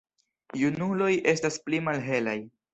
Junuloj estas pli malhelaj.